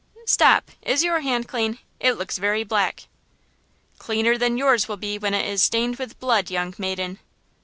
"Stop! Is your hand clean? It looks very black!" "Cleaner than yours will be when it is stained with blood, young maiden!"